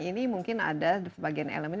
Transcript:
ini mungkin ada sebagian elemen